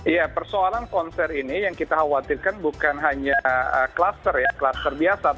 ya persoalan konser ini yang kita khawatirkan bukan hanya klaster ya klaster biasa